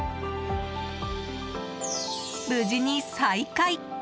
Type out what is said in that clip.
無事に再会。